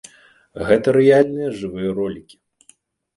Гэта рэальныя жывыя ролікі!